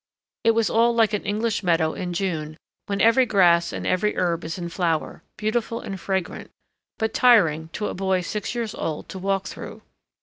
It was all like an English meadow in June, when every grass and every herb is in flower, beautiful and fragrant, but tiring to a boy six years old to walk through.